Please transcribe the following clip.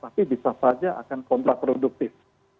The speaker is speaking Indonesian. tapi bisa saja akan kontraproduktif